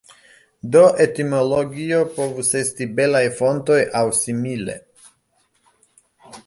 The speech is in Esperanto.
Do etimologio povus esti belaj fontoj aŭ simile.